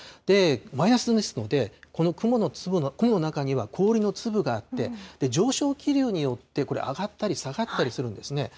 マイナスですので、この雲の中には氷の粒があって、上昇気流によって、これ、上がったり下がったりするんですね。